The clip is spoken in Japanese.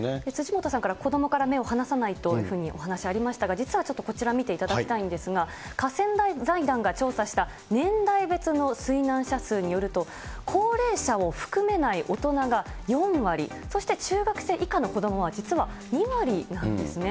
辻元さんから、子どもから目を離さないというふうにお話ありましたが、実はちょっとこちら見ていただきたいんですが、河川財団が調査した、年代別の水難者数によると、高齢者を含めない大人が４割、そして中学生以下の子どもは実は２割なんですね。